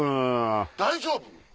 大丈夫？